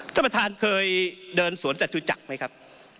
ท่านประธานเคยเดินสวนจัตุจักรไหมครับ